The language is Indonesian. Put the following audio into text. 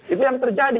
itu yang terjadi